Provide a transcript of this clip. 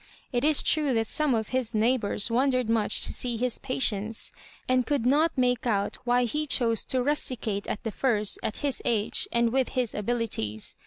It is true that some of his neighbours wondered much to see his patience, and could not make out why he chose to rusticate at the * Firs at his age, and with his abilities.